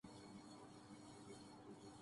اس کائنات کی ابتدا کیا ہے؟